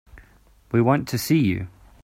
We want to see you.